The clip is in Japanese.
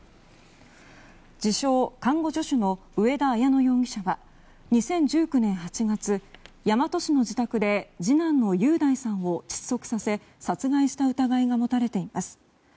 自称・看護助手の上田綾乃容疑者は２０１９年８月大和市の自宅で次男の雄大さんを窒息させ殺害した疑いが持たれています。